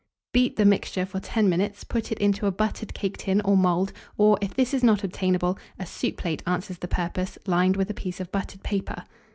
Beat the mixture for 10 minutes, put it into a buttered cake tin or mould, or, if this is not obtainable, a soup plate answers the purpose, lined with a piece of buttered paper.